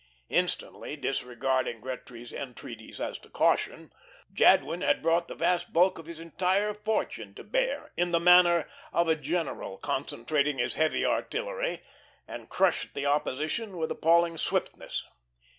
Instantly disregarding Gretry's entreaties as to caution Jadwin had brought the vast bulk of his entire fortune to bear, in the manner of a general concentrating his heavy artillery, and crushed the opposition with appalling swiftness.